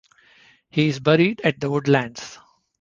He is buried at The Woodlands.